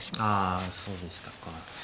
あそうでしたか。